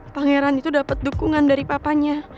pangeran itu dapat dukungan dari papanya